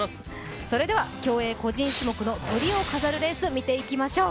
それでは、競泳個人種目のトリを飾るレース見ていきましょう。